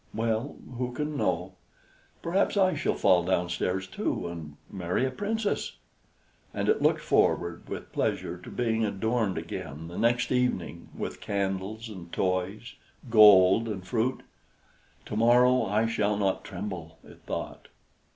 "Well, who can know? Perhaps I shall fall downstairs, too, and marry a Princess!" And it looked forward with pleasure to being adorned again, the next evening, with candles and toys, gold and fruit. "To morrow I shall not tremble," it thought.